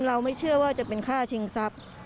เราไม่เชื่อว่าจะเป็นฆ่าชิงทรัพย์